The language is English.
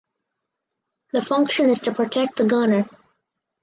The function is to protect the gunner.